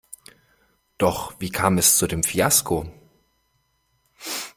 Doch wie kam es zu dem Fiasko?